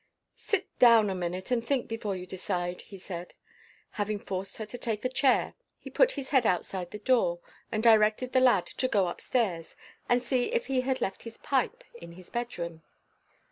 "Sit d own a minute, and think before you decide," he said. Having forced her to take a chair, he put his head outside the door and directed the lad to go up stairs, and see if he had left his pipe in his bedroom.